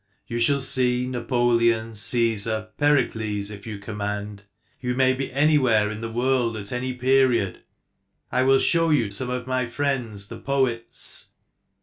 You shall see Napoleon, Caesar, Pericles, if you command. You may be anywhere in the world at any period. I will show you some of my friends, the poets.